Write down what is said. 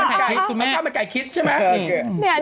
ข้าวบรรไกรคิดใช่ไหม